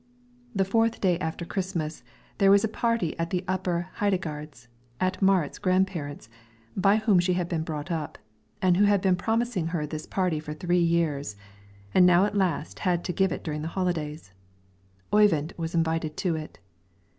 The fourth day after Christmas there was a party at the upper Heidegards, at Marit's grandparents', by whom she had been brought up, and who had been promising her this party for three years, and now at last had to give it during the holidays. Oyvind was invited to it.